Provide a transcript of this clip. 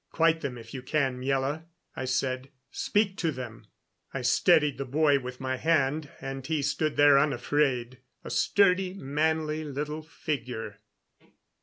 "Quiet them if you can, Miela," I said. "Speak to them." I steadied the boy with my hand, and he stood there unafraid, a sturdy, manly little figure.